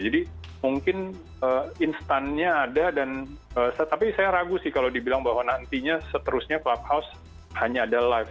jadi mungkin instannya ada dan tapi saya ragu sih kalau dibilang bahwa nantinya seterusnya clubhouse hanya ada live